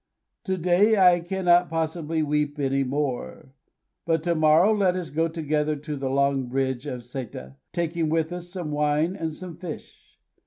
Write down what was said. To day I cannot possibly weep any more. But to morrow let us go together to the Long Bridge of Séta, taking with us some wine and some fish.